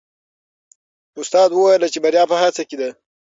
استاد وویل چې بریا په هڅه کې ده.